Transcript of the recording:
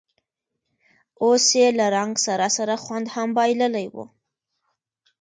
اوس یې له رنګ سره سره خوند هم بایللی و.